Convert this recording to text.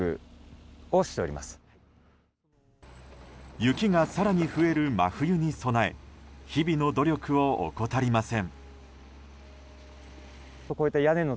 雪が更に増える真冬に備え日々の努力を怠りません。